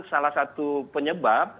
salah satu penyebab